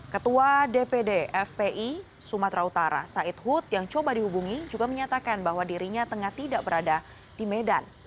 ketua dpd fpi sumatera utara said hud yang coba dihubungi juga menyatakan bahwa dirinya tengah tidak berada di medan